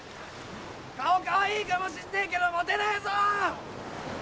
顔かわいいかもしんねえけどモテないぞ！